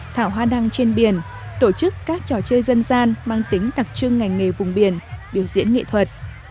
trên biển tổ chức các trò chơi dân gian mang tính tặc trưng ngành nghề vùng biển biểu diễn nghệ thuật